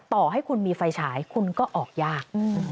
ต่อให้คุณมีไฟฉายคุณก็ออกยาก